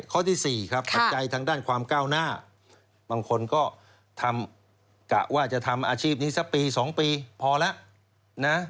ข้อที่๔ครับปัจจัยทางด้านความก้าวหน้าบางคนก็ทำกะว่าจะทำอาชีพนี้สักปี๒ปีพอแล้วนะ